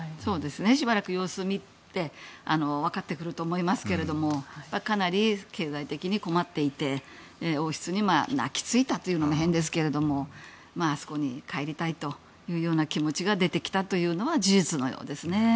しばらく様子を見てわかってくると思いますがかなり経済的に困っていて王室に泣きついたと言うのも変ですけどあそこに帰りたいという気持ちが出てきたというのは事実のようですね。